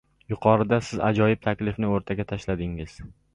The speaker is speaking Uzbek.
— Yuqorida Siz ajoyib taklifni o‘rtaga tashladingiz.